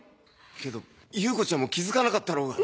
けど優子ちゃんも気付かなかったろうが。